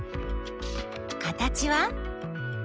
形は？